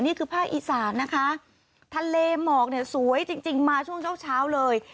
นี่คือภาคอีสานนะคะทะเลหมอกสวยจริงมาช่วงเช้าเลย